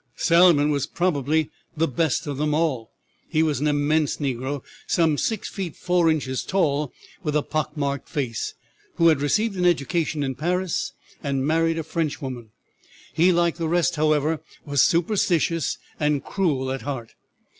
"Salomon was probably the best of them all. He was an immense negro, some six feet four inches tall, with a pock marked face, who had received an education in Paris and married a Frenchwoman. He, like the rest, however, was superstitious and cruel at heart.